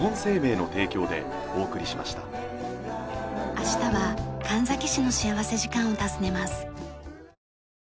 明日は神埼市の幸福時間を訪ねます。